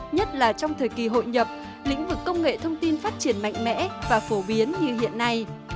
nhất là trong thời kỳ hội nhập lĩnh vực công nghệ thông tin phát triển mạnh mẽ và phổ biến như hiện nay